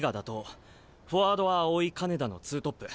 フォワードは青井金田の２トップ。